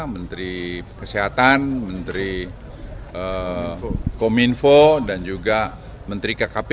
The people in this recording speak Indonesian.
menteri kesehatan menteri kominfo dan juga menteri kkp